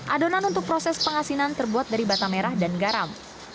adonan untuk proses pengasinan terbuat dari bata merah dan garam